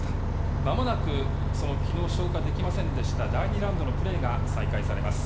間もなく昨日消化できませんでした第２ラウンドのプレーが再開されます。